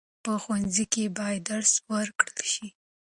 په ښوونځیو کې باید درس ورکړل شي.